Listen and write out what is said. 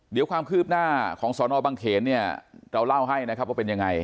เดี๋ยวความคืบหน้าของสอนอบังเขนเราเล่าให้ว่าเป็นยังไง